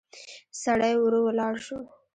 سړی ورو ولاړ شو.